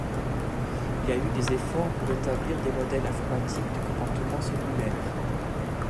Il y a eu des efforts pour établir des modèles informatiques du comportement cellulaire.